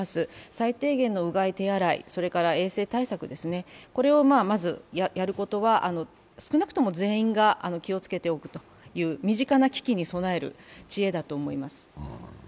最低限のうがい、手洗い、それから衛生対策をまずやることは少なくとも全員が気をつけておくという身近な危機に備える知恵だと思います。